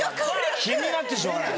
気になってしょうがない。